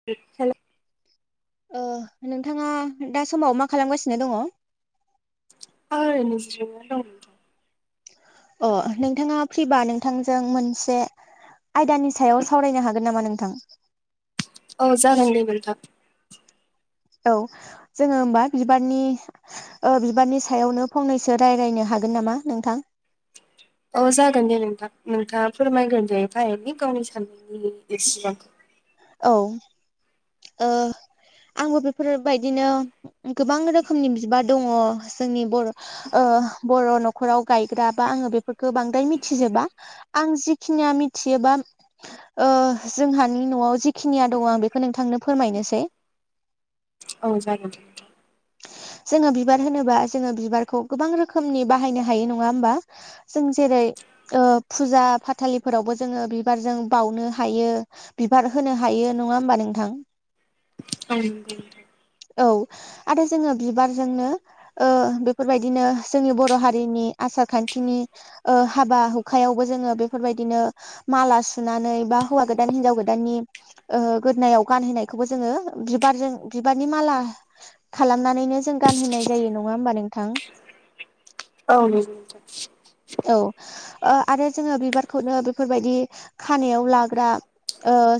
[unintelligible] ओ नोंथाङा दा समाव मा खालामगासिनो दङ? [unintelligible] अ नोंथाङा फ्रिबा नोंथांजों मोनसे आयदानि सायाव सावरायनो हागोन नामा नोंथां? औ जागोन दे नोंथां औ जोङो होनबा बिबारनि ओ बिबारनि सायावनो फंनैसो रायज्लायनो हागोन नामा नोंथां? औ जागोन दे नोंथां नोंथाङा फोरमायगोन दे थायनि गावनि साननायनि एसेबांखौ औ ओ आंबो बेफोर बायदिनो गोबां रोखोमनि बिबार दङ जोंनि बर' ओ बर' न' नख'राव गायग्रा बा आङो बेफोरखौ बांद्राय मिथिजोबा आं जिखिनिया मिथियोबा जोंहानि न'आव जिखिनिया दङ आं बेखौ नोंथांनो फोरमायनोसै औ जागोन। नोंथां जोङो बिबार होनोबा जोङो बिबारखौ गोबां रोखोमनि बाहायनो हायो नङा होमबा जों जेरै फुजा फाथालिफोरावबो जोङो बिबारजों बोनो हायो। बिबार होनो हायो नङा होमबा नोंथां। औ। औ आरो जोङो बिबारजोंनो ओ बेफोरबादिनो जोंनि बर' हारिनि आसार खान्थिनि हाबा हुखायावबो जोङो बेफोरबायदिनो माला सुनानै बा हौवा गोदान हिनजाव गोदाननि गोदोनाव गानहैनायखौबो जोङो बिबारजों बिबारनि माला खालामनानैनो जों गानहोनाय जायो नङा होमबा नोंथां औ। औ आरो जोङो बिबारखौनो बेफोरबायदि खानायाव लाग्रा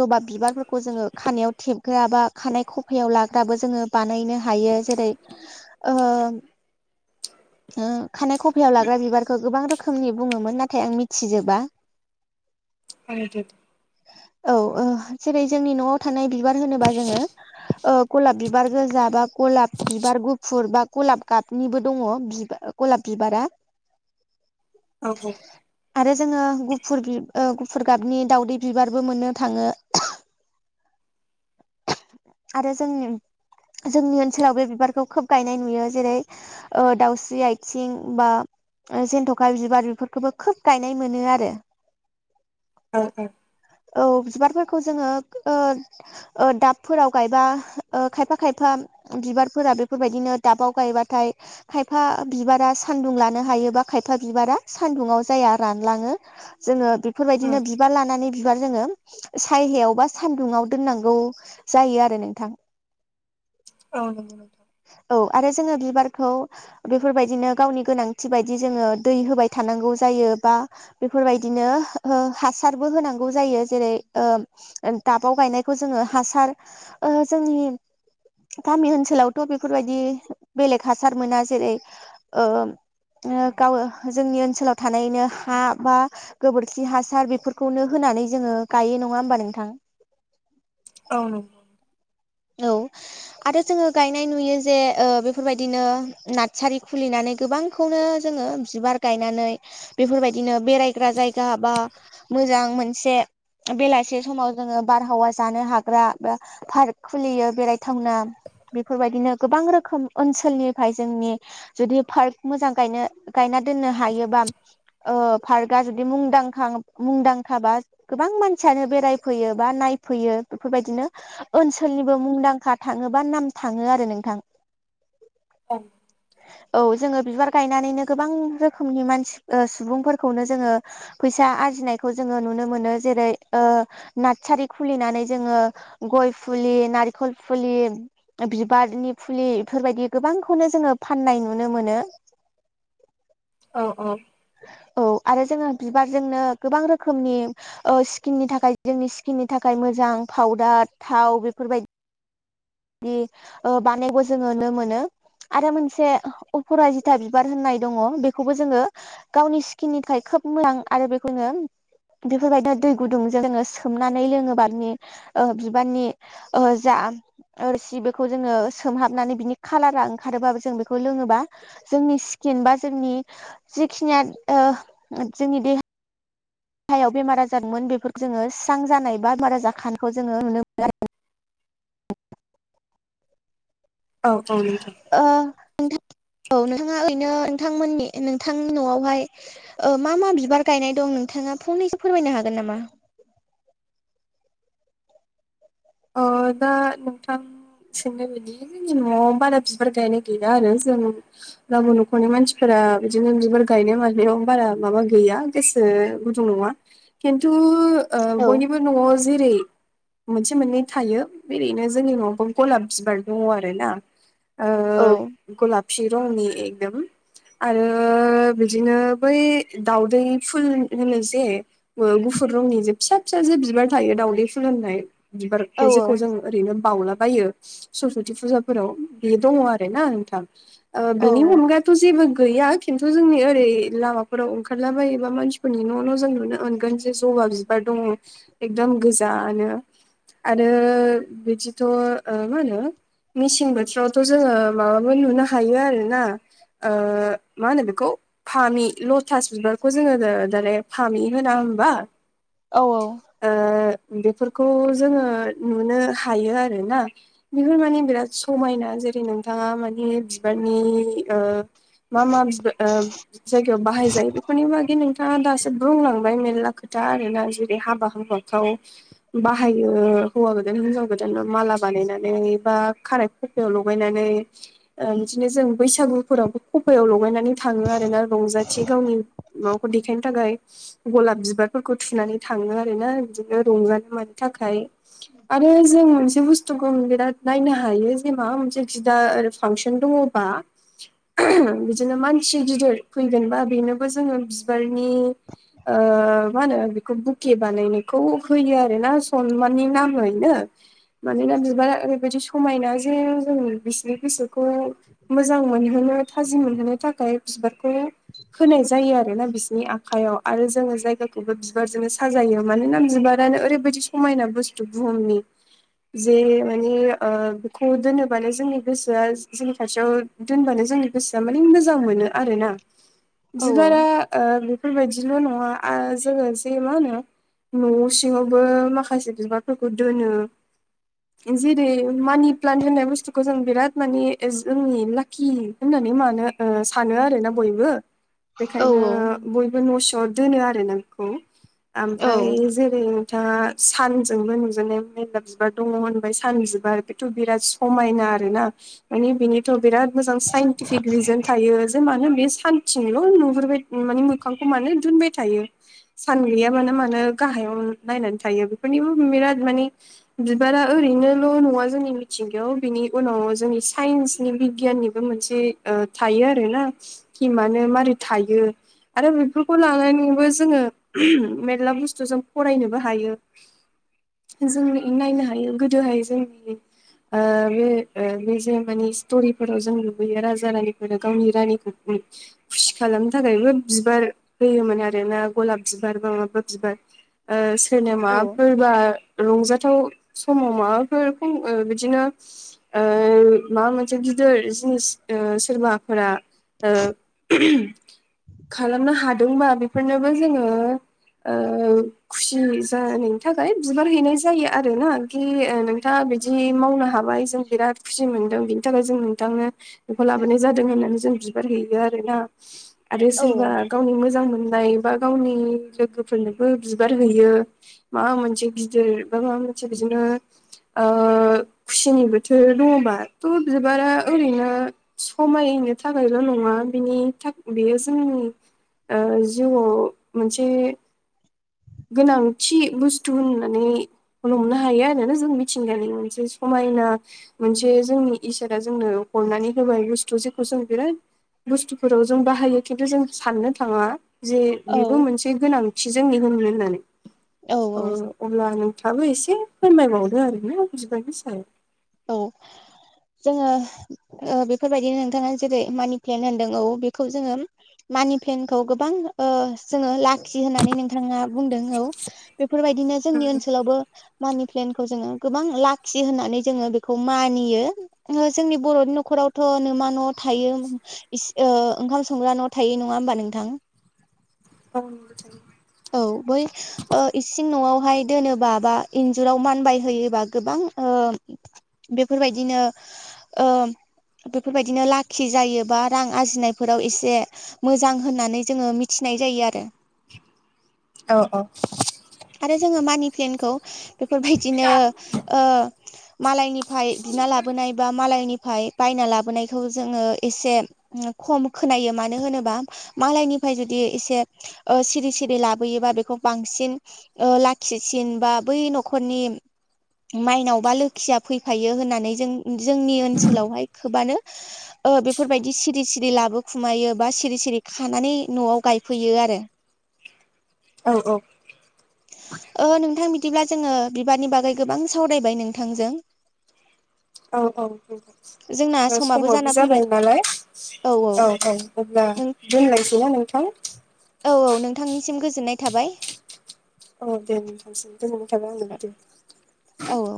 ज'बा बिबारफोरखौ जोङो खानायाव थेबग्रा बा खानाय खफायाव लाग्राबो जोङो बानायनो हा हायो जेरै ओ ओ खानाय खफायाव लाग्रा बिबारखौ गोबां रोखोमनि बुङोमोन नाथाय आं मिथिजोबा [unintelligible] आे [unintelligible] औ जेरै जोंनि न'आव थानाय बिबार होनोबा जोङो गलाब बिबार गोजाबा गलाब बिबार गुफुर बा गलाब गाबनिबो दङ गलाब बिबारा [unintelligible] औ बुं आरो जोङो गुफुर गुफुर गाबनि दावउदै बिबारबो मोननो थाङो। आरो जोंनि जोंनि ओनसोलाव बे बिबारखौ खोब गायनाय नुयो जेरै दाउस्रि आथिं बा जन्थ'खा बिबार बेफोरखौबो खोब गायनाय मोनो आरो। औ औ। औ बिबारफोरखौ जोङो ओ दावफोराव गायबा खायफा खायफा बिबारफोरा बेफोरबायदिनो दाबाव गायबाथाय खायफा बिबारा सान्दुं लानो हायोबा खायफा बिबारा सान्दुङा जाया रानलाङो। जोङो बेफोरबायदिनो बिबार लानानै बिबार जोङो सायहायाव बा सानदुङा दोननांगौ जायो आरो नोंथां। औ नंगौ। औ आरो जोङो बिबारखौ बेफोरबायदिनो गावनि गोनांथि बायदि जोङो दै होबाय थानांगौ जायो बा बेफोरबायदिनो हो हासारबो होनांगौ जायो जेरै उम दाबाव गायनायखौ जोङो हासार ओ जोंनि गामि ओनसोलावथ' बेफोरबायदि बेलेग हासार मोना जेरै ओ ओ गाव जोंनि ओनसोलाव थानायनो हा बा गोबोरखि हासार बेफोरखौनो होनानै जोङो गायो नङा होमबा नोंथां। औ नंगौ। औ। आरो जोङो गायनाय नुयो जे ओ बेफोरबायदिनो नार्सारि खुलिनानै गोबां। खौनो जोङो बिबार गायनानै बेफोरबायदिनो बेरायग्रा जायगा बा। मोजां मोनसे बेलासे समाव जोङो बारहावा जानो हाग्रा बार। खुलियो बेरायथावना बेफोरबायदिनो गोबां रोखोम ओनसोलनिफ्राय जोंनि। जुदि पार्क मोजां गायनो गायना दोननो हायोबा ओ। फारगा जुदि मुंदांखा मुंदांखाबा। गोबां मानसियानो बेरायफैयो बा नायफैयो बेफोर बायदिनो। ओनसोलनिबो मुंदांखा थाङोबा नाम थाङो आरो नोंथां। ओम। [unintelligible] औ जोङो बिबार गायनानैनो गोबां रोखोमनि मानसि सुबुंफोरखौनो जोङो। फैसा आरजिनायखौ जोङो नुनो मोनो जेरै ओ। नारसारि खुलिनानै जोङो गय फुलि नारेखल फुलि। बिबारनि फुलि बेफोरबायदि गोबांखौनो जोङो फाननाय नुनो मोनो। औ औ। औ आरो जोङो बिबारजोंनो गोबां रोखोमनि। ओ स्किननि थाखाय जोंनि स्किननि थाखाय मोजां फावदार थाव बेफोरबायदि। बि ओ बानायनायखौ जोङो नुनो मोनो। आरो मोनसे अफरा जिथा बिबार होननाय दङ बेखौबो जोङो। गावनि स्किननि थाखाय खोब मोजां आरो बेखौनो। बेफोरबायदिनो दै गुदुंजों जोङो सोमनानै लोङोब्लानि ओ बिबारनि। ओ जाम। ओ रोसि बेखौ जोङो सोमहाबनानै बिनि खालारा ओंखारोबाबो जों बेखौ लोङोबा। जोंनि सिकिन बा जोंनि जखिनिया ओ जोंनि देहा। देहायाव बेमार आजारमोन बेफोरखौ जोङो स्रां जानाय बा बेमार आजार खानखौ जोङो नुनो मोनो आरो। औ औ नोंथां। ओ नोंथां औ ओरैनो नोंथां मोननि नोंथांनि न'आवहाय। ओ मा मा बिबार गायनाय दं नोंथाङा फंनैसो फोरमायनो हागोन नामा? अ दा नोंथां। सोंनाय बिदि जोंनि न'आव बारा बिबार गायनाय गैया आरो जों। गावाबोन न'खरनि मानसिफोरा बिदिनो बिबार गायनाय मानायाव बारा माबा गैया। गोसो गुदुं नङा खेनथु ओ औ बयनिबो न'आव जेरै। मोनसे मोननै थायो ओरैनो जोंनि न'आवबो गलाब बिबार दङ आरो ना ओ। औ गलाबपि रंनि एकदम। आरो बिदिनो बै दाउदै फुल होनो जे। गुफुर रंनि जे फिसा फिसा जे बिबार थायो दावदै फुल होननाय। औ बिबारखौ जेखौ जों ओरैनो बावलाबायो। सरसति फुजाफोराव बे दङ आरो ना नोंथां ओ औ बिनि अनगायाथ' जेबो गैया। खिन्थु जोंनि ओरै लामाफोराव ओंखारलाबायोबा मानसिफोरनि न' न' जों। नुनो मोनगोन जे जबा बिबार दङ एकदम गोजानो। आरो बिदिथ' ओ मा होनो मेसें बोथोरावथ' जोङो माबाबो नुनो हायो आरो ना ओ मा होनो बेखौ फामि लथास बिबारखौ जोङो दालाय फामि होना होमबा औ ओ बेफोरखौ जोङो नुनो हायो आरोना बेफोर माने बिराद समायना जेरै नोंथाङा माने बिबारनि ओ मा मा बिबार ओ जायगायाव बाहाय जायो बेफोरनि बागि नोंथाङा दासो बुंलांबाय मेरला खोथा आरोना जेरै हाबा हुबा खाव बाहायो हौवा गोदान हिनजाव गोदान माला बानायनानै बा खाराय खुरथायाव लगायनानै ओ बिदिनो जों बैसागुफोरावबो खफायाव लगायनानै थाङो आर ना रंजाथि गावनि मावखौ देखायनो थाखाय गलाब बिबारफोरखौ थुनानै थाङो आर ना बिदिनो रंजानो थाखाय आरो जों मोनसे बुस्थुखौ बिराद नायनो हायो जे माबा मोनसे खिदा फांसन दं बा उहम बिदिनो मानसि गिदिर फैदोंबा बेनोबो जोङो बिबारनि मा होनो बेखौ बुके बानायनाय खौ होयो आरो ना सनमानानि नामैनो मानोना बिबारा ओरैबायादि समायना जे जों बिसनि गोसोरखौ मोजां मोनहोनो थाजिम मोनहोनो थाखाय बिबारखौ होनाय जायो आरो ना बिसोरनि आखायाव आरो जोङो जायगाखौबो बिबारजोंनो साजायो मानोना बिबार बिबारानो ओरैबायदि समायना बुसथु बुहुमनि जे माने ओ बेखौ दोनोबानो जोंनि गोसोआ जोंनि खाथियाव दोनबानो जोंनि गोसोआ माने मोजां मोनो आरो ना ? बिबारा ओ बेफोरबायदिल' नङा आ जोङो जे मा होनो न' सिङावबो माखासे बिबार फोरखौ दोनो जेरै मानि प्लान्ट होननाय बुस्थुखौ जों बिराद माने जोंनि लाकि होननानै मानो सानो आरो ना बयबो औ बेखायनो बयबो नसिंआव दोनो आरो ना बेखौ औ ओमफ्राय जे नोंथांआ सानजोंबो नुजेननाय मेर्ला बिबार दङ होनबाय सान बिबार बेथ' बिराद समायना आरोना माने बिनिथ' बिराद मोजां साइनटिफिक रिजोन थायो जे मानो बे सानथिंल' नुहुरनायखौ माने मोखांखौ मानो दोनबाय थायो सान गैयाबानो मानो गाहायाव नायना थायो बेफोर निबो बिराद माने बिबारा ओरैनोल' नङा जोंनि मिथिंगायाव बिनि उनाव जोंनि साइन्सनि बिगियाननि मोनसे थायो आरोना खि मानो मारै थायो आरो बेफोरखौ लानानैबो जोङो मेर्ला बुस्थुजों फरायनोबो हायो जों बेउनो नायनो हायो गोदोहाय जोंनि ओ बे बे जे माने स्ट'रिफोराव जों नुबोयो राजा रानिफोर गावनि रानिखौ खुसि खालामनो थाखायबो बिबार होयोमोन आरोना गलाब बिबार बा माबा बिबार ओ सोरनो माबाफोरबा रंजाथाव समाव माबाफोर ओ बिदिनो ओ माबा मोनसे गिदिर जिनिस ओ सोरबाफोरा ओ उहम खालामनो हादोंबा बेफोरनोबो जोङो खुसि दा नोंनि बिबार हैनाय जायो आरो ना खि नोंथाङा बिदि मावनो हाबाय जों बिराद खुसि मोनदों बिनि थाखाय जों नोंथांनो बेखौ लाबोनाय जादों होननानै जों बिबार हैयो आरोना आरो सोरबा गावनि मोजां मोननाय बा गावनि लोगोफोरनोबो बिबार हैयो। माबा मोनसे गिदिर बा माबा मोनसे बिदिनो ओ खुसिनि बोथोर दङ' बाथ' बिबारा ओरैनो समायनो थाखायल' नङा बिनि थाख बेयो जोंनि ओ जिउआव मोनसे गोनांथि बुस्थु होननानै हमनो हायो आरो जों मिथिंगानि मोनसे समायना मोनसे जोंनि इसोरा जोंनो हरनानै होबाय बुस्थु जेखौ जों बिराद बुस्थुफोराव जों बाहायो खिन्थु जों साननो थाङा जे बेबो औ मोनसे गोनांथि जोंनि होनो होननानै औ ओ औ अब्ला नों थाङाबो एसे फोरमायबावदो आरोना बिबारनि सायाव औ जोङो ओ बेफोरबायदिनो नोंथाङा जेरै मानि प्लेनट होनदों औ बेखौ जोङो मानि पलेनखौ गोबां ओ जोङो लाखि होननानै नोंथाङा बुंदों औ बेफोरबायदिनो जोंनि ओनसोलावबो मानि प्लेनखौ जोङो गोबां लाखि होननानै जोङो बेखौ मानियो जोंनि बर'नि न'खरावथ' नो मा न' थायो इस ओ ओंखाम संग्रा न' थायो नङा होमबा नोंथां? [unintelligible] औ बै ओ इसिं न'आवहाय दोनोबा बा इन्जुराव मानबायहयोबा गोबां ओ बेफोरबायदिनो ओ बेफोरबायदिनो लाखि जायोबा रां आरजिनायफोराव एसे मोजां होननानै जोङो मिथिनाय जायो आरो। अ अ। आरो जोङो मानि प्लेनखौ बेफोरबायदिनो ओ मालायनि फाय बिना लाबोनाय बा मालायनिफाय बायना लाबोनायखौ जोङो एसे खम खोनायो मानो होनोबा मालायनिफाय जुदि एसे ओ सिरि सिरि लाबोयोबा बेखौ बांसिन ओ लाखिसिन बा बै न'खरनि माइनाव बा लोखिया फैफायो होननानै जों जोंनि ओनसोलावहाय खोबानो ओ बेफोरबायदि सिरि सिरि लाबोखुमायो बा सिरि सिरि खानानै न'आव गायफैयो आरो। औ औ। ओ नोंथां बिदिब्ला जोङो बिबारनि बागै गोबां सावरायबाय नोंथांजों औ औ जोंना समाबो जाना फैबाय जाबाय नालाय औ औ अब्ला नों दोनलायसै ना नोंथां? औ औ नोंथांनिसिम गोजोननाय थाबाय। औ दे नोथांसिम गोजोननाय थाबाय दे। औ औ